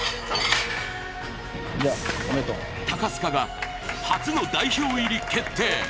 高須賀が初の代表入り決定。